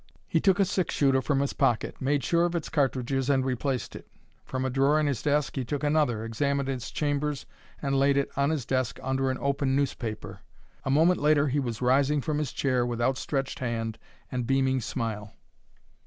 He took a six shooter from his pocket, made sure of its cartridges, and replaced it. From a drawer in his desk he took another, examined its chambers, and laid it on his desk, under an open newspaper. A moment later he was rising from his chair with outstretched hand and beaming smile.